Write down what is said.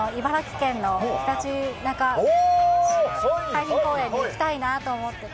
海浜ひたちなか公園に行きたいなと思ってて。